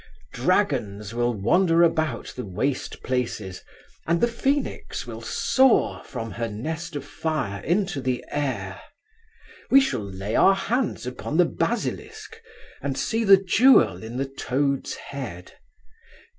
Dragons will wander about the waste places, and the phoenix will soar from her nest of fire into the air. We shall lay our hands upon the basilisk, and see the jewel in the toad's head.